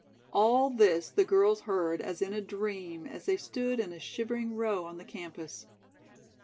All this the girls heard as in a dream as they stood in a shivering row on the campus.